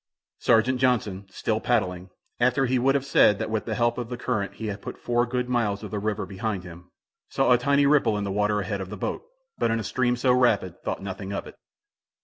Sergeant Johnson, still paddling, after he would have said that with the help of the current he had put four good miles of the river behind him, saw a tiny ripple in the water ahead of the boat, but in a stream so rapid thought nothing of it.